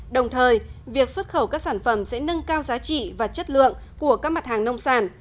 đồng thời việc xuất khẩu các sản phẩm sẽ nâng cao giá trị và chất lượng của các mặt hàng nông sản